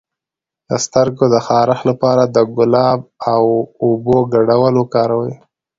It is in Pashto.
د سترګو د خارښ لپاره د ګلاب او اوبو ګډول وکاروئ